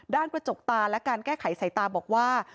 กระจกตาและการแก้ไขสายตาบอกว่า